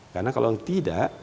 karena kalau tidak